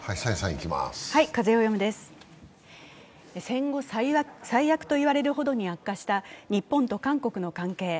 戦後最悪と言われるほどに悪化した日本と韓国の関係。